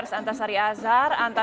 jatian epa jayante